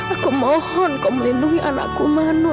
aku mohon kau melindungi anakku mana